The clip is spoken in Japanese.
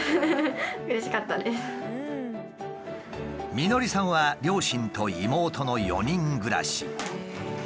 美典さんは両親と妹の４人暮らし。